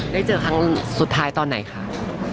ได้เจอกับโร่สุดท้ายตอนไหนครับ